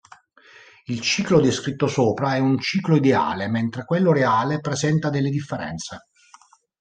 Il ciclo descritto sopra è un ciclo ideale, mentre quello reale presenta delle differenze.